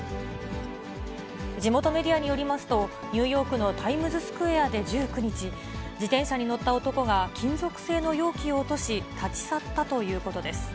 地元メディアによりますと、ニューヨークのタイムズスクエアで１９日、自転車に乗った男が金属製の容器を落とし、立ち去ったということです。